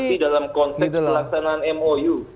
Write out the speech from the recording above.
tapi dalam konteks pelaksanaan mou